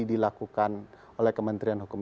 dilakukan oleh kementerian hukum